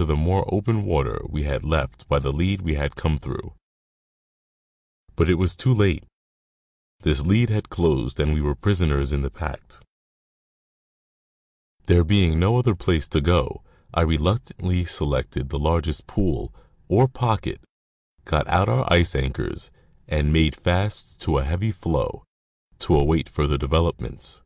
National Geographic Magazine. more open water we had left by the lead we had come through ; but it was too late: this lead had closed and we were prisoners in the pack. There being no other place to go, I reluctantly selected the largest pool, or pocket, got out our ice anchors, and made fast to a heavy floe, to await further developments.